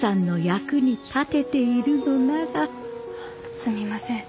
すみません